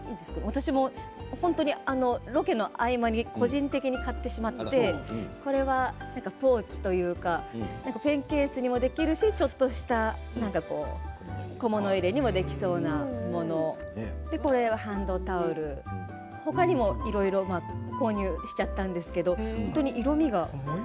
私もロケの合間に個人的に買ってしまってこれはポーチというかペンケースにもできるしちょっとした物入れにできそうなあと、これはハンドタオル他にも購入しちゃったんですけど本当に色みが。